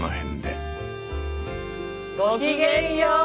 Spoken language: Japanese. ごきげんよう！